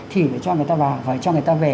thì phải cho người ta vào phải cho người ta về